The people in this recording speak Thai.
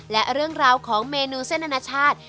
และเรื่องราวของเมนูเส้นอนาชาติ